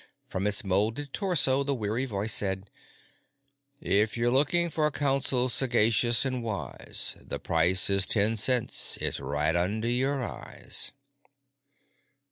From its molded torso, the weary voice said: "If you're looking for counsel sagacious and wise, The price is ten cents. It's right under your eyes."